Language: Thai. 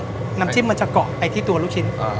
ให้มันเหลือกน้ำจิ้มมันจะเกาะไว้ที่ตัวลูกชิ้น